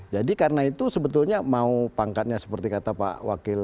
jadi karena itu sebetulnya mau pangkatnya seperti kata pak wakil